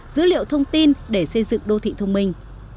dữ liệu thông tin để xây dựng đô thị thông minh